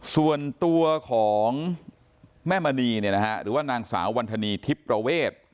ส่วนตัวของแม่มณีหรือว่านางสาววันธนีทิพย์ประเวท